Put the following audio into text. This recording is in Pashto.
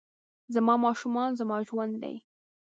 زما ماشومان زما ژوند دي